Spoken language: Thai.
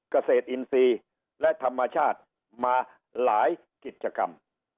เกษตรอินทรีย์และธรรมชาติมาหลายกิจกรรม